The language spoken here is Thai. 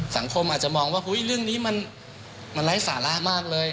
สังคมอาจจะมองว่าเรื่องนี้มันไร้สาระมากเลย